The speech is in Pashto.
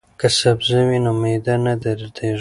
که سبزی وي نو معده نه دردیږي.